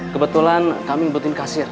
kebetulan kami ngebutin kasir